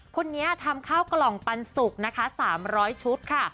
คนนี้ทำข้าวกล่องปันสุกนะคะ๓๐๐ชุดค่ะ